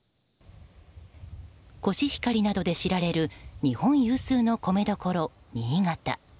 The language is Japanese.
コシヒカリなどで知られる日本有数のコメどころ新潟。